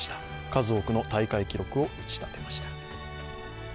数多くの大会記録を打ちたてました。